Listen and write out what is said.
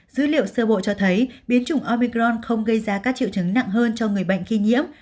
dữ liệu sơ bộ cho thấy biến chủng omicron không gây ra các triệu chứng nặng hơn cho người bệnh khi nhiễm